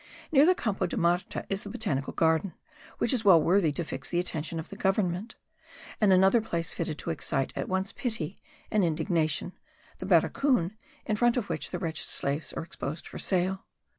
Near the Campo de Marte is the Botanical Garden which is well worthy to fix the attention of the government; and another place fitted to excite at once pity and indignation the barracoon, in front of which the wretched slaves are exposed for sale.